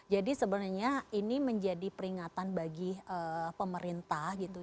jadi sebenarnya ini menjadi peringatan bagi pemerintah gitu